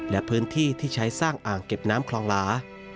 และพื้นที่ที่ใช้สร้างอ่างเก็บน้ำคลองหลา